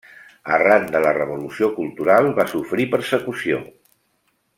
Arran de la Revolució Cultural va sofrir persecució.